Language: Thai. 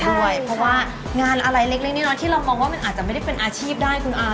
เพราะว่างานอะไรเล็กน้อยที่เรามองว่ามันอาจจะไม่ได้เป็นอาชีพได้คุณอา